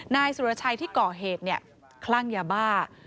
นายสุรชัยที่ก่อเหตุคลั่งยาบ้า